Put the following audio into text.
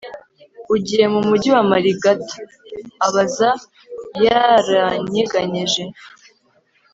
ugiye mu mujyi wa marigat? abaza. yaranyeganyeje